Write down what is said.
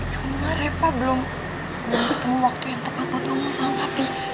semua reva belum ketemu waktu yang tepat buat ngomong sama kami